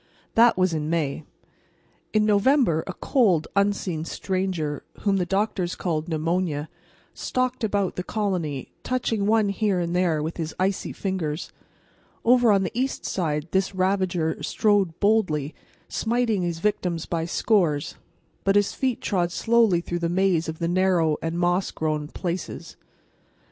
That was in May. In November a cold, unseen stranger, whom the doctors called Pneumonia, stalked about the colony, touching one here and there with his icy fingers. Over on the east side this ravager strode boldly, smiting his victims by scores, but his feet trod slowly through the maze of the narrow and moss grown "places." Mr.